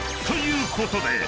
［ということで］